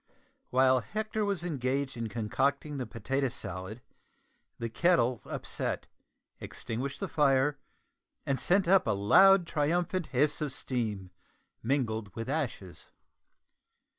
While Hector was engaged in concocting the potato salad the kettle upset, extinguished the fire, and sent up a loud triumphant hiss of steam mingled with ashes.